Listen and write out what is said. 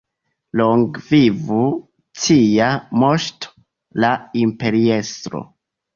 Longe vivu cia Moŝto, la Imperiestro!